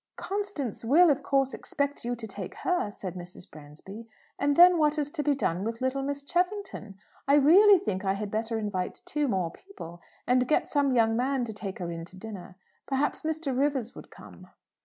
"Constance will, of course, expect you to take her," said Mrs. Bransby, "and then what is to be done with little Miss Cheffington? I really think I had better invite two more people, and get some young man to take her in to dinner. Perhaps Mr. Rivers would come."